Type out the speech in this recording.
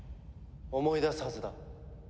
思い出すはずだ。